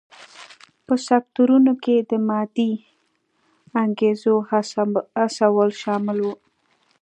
په سکتورونو کې د مادي انګېزو هڅول شامل و.